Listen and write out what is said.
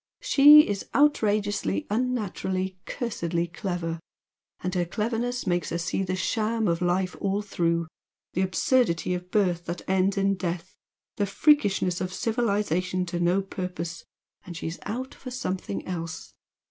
SHE is outrageously, unnaturally, cursedly clever! And her cleverness makes her see the sham of life all through; the absurdity of birth that ends in death the freakishness of civilisation to no purpose and she's out for something else.